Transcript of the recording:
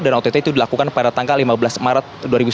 dan ott itu dilakukan pada tanggal lima belas maret dua ribu sembilan belas